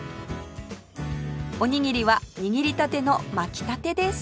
おにぎりは握りたての巻きたてです